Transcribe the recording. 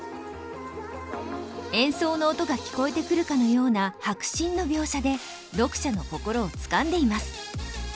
演奏の音が聴こえてくるかのような迫真の描写で読者の心をつかんでいます。